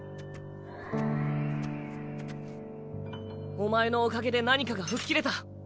お前のおかげで何かが吹っ切れた。